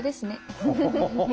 フフフフ。